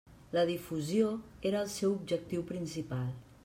La difusió era el seu objectiu principal.